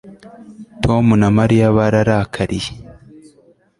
Tom na Mariya bararakariye